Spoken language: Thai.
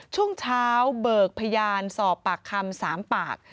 ช่วงเช้าเบิกพยานสอบปากคำ๓ปาก